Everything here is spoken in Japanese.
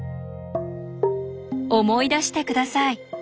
思い出して下さい。